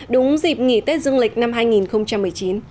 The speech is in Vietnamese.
đúng dịp nghỉ tết dương lịch năm hai nghìn một mươi chín